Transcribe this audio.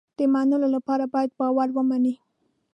د منلو لپاره باید باور ومني.